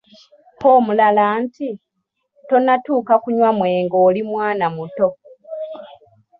Ko omulala nti, "tonnatuuka kunywa mwenge oli mwana muto."